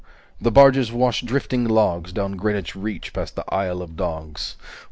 The barges wash Drifting logs Down Greenwich reach 275 Past the Isle of Dogs.